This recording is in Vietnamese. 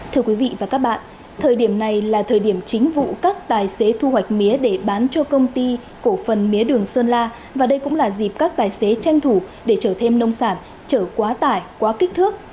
thưa quý vị và các bạn thời điểm này là thời điểm chính vụ các tài xế thu hoạch mía để bán cho công ty cổ phần mía đường sơn la và đây cũng là dịp các tài xế tranh thủ để chở thêm nông sản chở quá tải quá kích thước